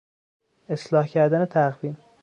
اصلاح کردن تقویم